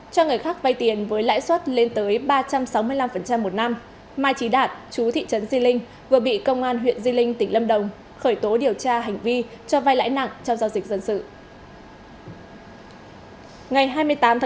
cho người khác vay tiền với lãi suất lên tới ba trăm sáu mươi năm một năm mai trí đạt chú thị trấn di linh vừa bị công an huyện di linh tỉnh lâm đồng khởi tố điều tra hành vi cho vai lãi nặng trong giao dịch dân sự